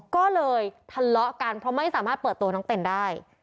ก็เลยทะเลาะกันเพราะไม่สามารถเปิดตัวน้องเต้นได้